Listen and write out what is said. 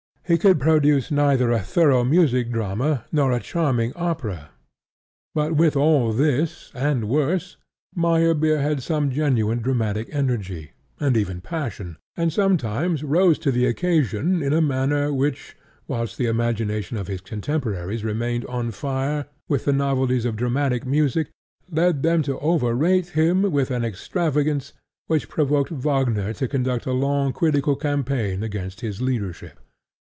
He could produce neither a thorough music drama nor a charming opera. But with all this, and worse, Meyerbeer had some genuine dramatic energy, and even passion; and sometimes rose to the occasion in a manner which, whilst the imagination of his contemporaries remained on fire with the novelties of dramatic music, led them to overrate him with an extravagance which provoked Wagner to conduct a long critical campaign against his leadership.